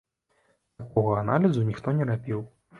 Такога аналізу ніхто не рабіў.